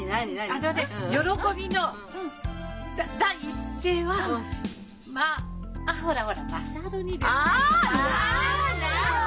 あのね「喜びの第一声はま」ほらほら「優に」ですよ。